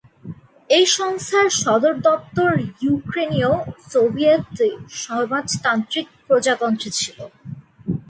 এই সংস্থার সদর দপ্তর ইউক্রেনীয় সোভিয়েত সমাজতান্ত্রিক প্রজাতন্ত্রে ছিল।